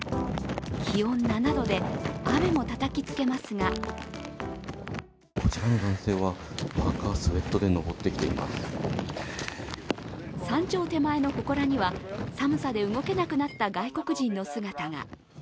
気温７度で雨もたたきつけますが山頂手前のほこらには、寒さで動けなくなった外国人の姿が。